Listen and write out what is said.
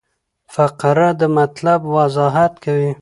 فقره د مطلب وضاحت کوي.